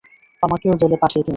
আমাকেও জেলে পাঠিয়ে দিন।